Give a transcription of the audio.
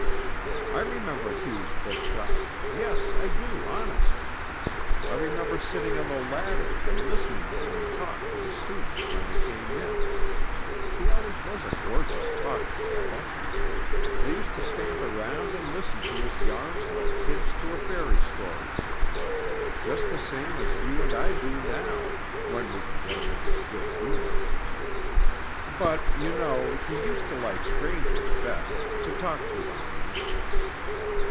I remember Hugh's bookshop; yes, I do honest! I remember sitting on the ladder and listening to him talk to the students when they came in. He always was a gorgeous talker, Bella. They used to stand around and listen to his yarns like kids to a fairy story. Just the same as you and I do now when we can get him into a good humor. But, you know, he used to like strangers best to talk to, I mean."